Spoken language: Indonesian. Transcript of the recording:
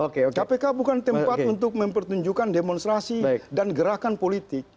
kpk bukan tempat untuk mempertunjukkan demonstrasi dan gerakan politik